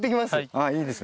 あっいいですね。